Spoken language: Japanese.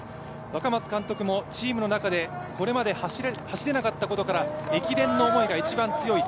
若松監督もチームの中で、これまで走れなかったことから駅伝の思いが一番強い。